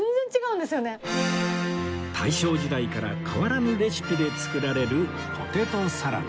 大正時代から変わらぬレシピで作られるポテトサラダ